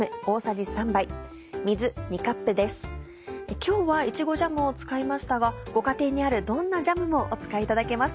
今日はいちごジャムを使いましたがご家庭にあるどんなジャムもお使いいただけます。